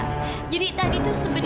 ra jadi tadi tuh sebenernya